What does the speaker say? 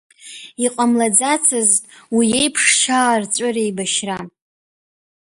Иҟамлацызт уи еиԥш шьаарҵәыра еибашьра.